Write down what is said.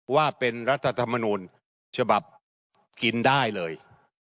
ว่าเป็นรัฐธรรมนูลฉบับกินได้เลย